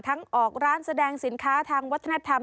ออกร้านแสดงสินค้าทางวัฒนธรรม